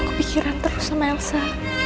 kepikiran terus sama elsa